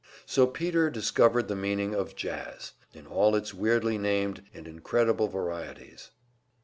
So Peter discovered the meaning of "jazz," in all its weirdly named and incredible varieties.